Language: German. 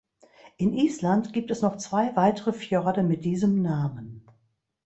In Island gibt es noch zwei weitere Fjorde mit diesem Namen.